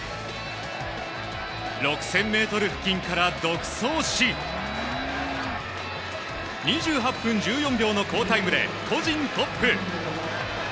６０００ｍ付近から独走し２８分１４秒の好タイムで個人トップ！